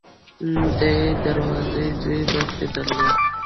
دې دروازې دوه برخې درلودې.